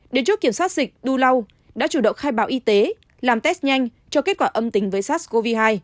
đến chốt kiểm soát dịch đu lau đã chủ động khai báo y tế làm test nhanh cho kết quả âm tính với sars cov hai